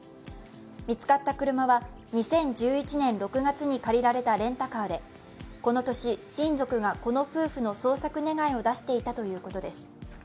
見つかった車は２０１１年６月に借りられたレンタカーでこの年、親族がこの夫婦の捜索願を出していたということです。